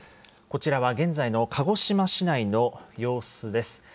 こちらは現在の鹿児島市内の様子です。